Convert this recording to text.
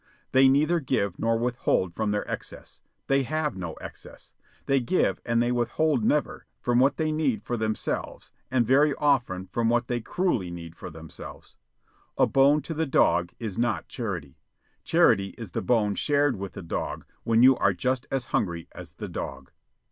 They neither give nor withhold from their excess. They have no excess. They give, and they withhold never, from what they need for themselves, and very often from what they cruelly need for themselves. A bone to the dog is not charity. Charity is the bone shared with the dog when you are just as hungry as the dog.